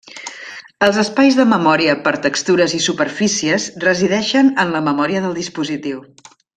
Els espais de memòria per textures i superfícies resideixen en la memòria del dispositiu.